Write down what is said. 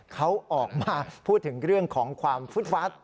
เขาออกมาพูดถึงเรื่องของความฟุตฟัด